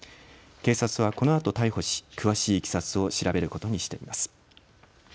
警察は、このあと逮捕し詳しいいきさつを調べることにしています。